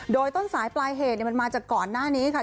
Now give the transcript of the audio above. โดยต้นสายปลายเหตุมันมาจากก่อนหน้านี้ค่ะ